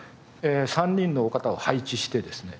３人の方を配置してですね